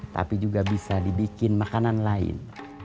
tapi juga bisa dibikin makanan lain